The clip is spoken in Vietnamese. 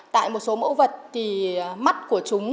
tại một số mẫu vật thì mắt của chúng